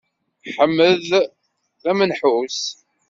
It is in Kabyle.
Ḥmed d amenḥus.